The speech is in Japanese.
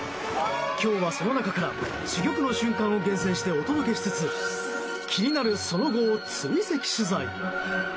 今日は、その中から珠玉の瞬間を厳選してお届けしつつ気になるその後を追跡取材。